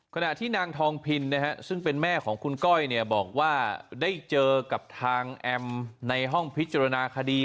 ขณะที่นางทองพินซึ่งเป็นแม่ของคุณก้อยบอกว่าได้เจอกับทางแอมในห้องพิจารณาคดี